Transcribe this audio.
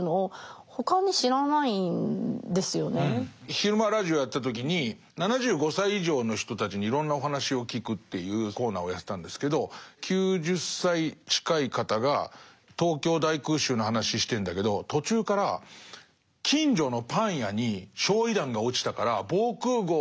昼間ラジオやってた時に７５歳以上の人たちにいろんなお話を聞くっていうコーナーをやってたんですけど９０歳近い方が東京大空襲の話してんだけど途中からっていう話をずっとしてるのね。